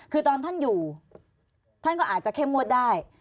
คือตอนท่านอยู่ท่านก็อาจจะเข้มงวดได้